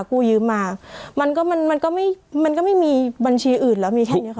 กู้ยืมมามันก็มันมันก็ไม่มันก็ไม่มีบัญชีอื่นแล้วมีแค่เนี้ยค่ะ